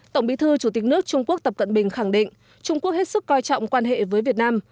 tổng bí thư chủ tịch nước trung quốc tập cận bình khẳng định trung quốc hết sức coi trọng quan hệ với việt nam